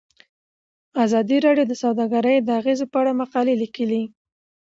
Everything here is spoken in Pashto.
ازادي راډیو د سوداګري د اغیزو په اړه مقالو لیکلي.